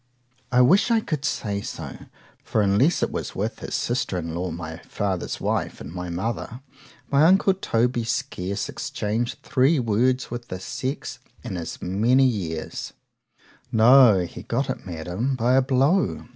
I wish I could say so,—for unless it was with his sister in law, my father's wife and my mother——my uncle Toby scarce exchanged three words with the sex in as many years;——no, he got it, Madam, by a blow.